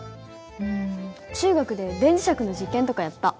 うん中学で電磁石の実験とかやった。